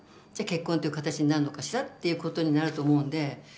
じゃ結婚という形になるのかしらっていうことになると思うんで。